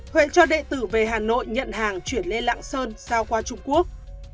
huyện cho đệ tử về hà nội nhận hàng chuyển lên lạng sơn giao qua trung quốc